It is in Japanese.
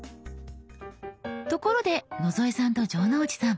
ところで野添さんと城之内さん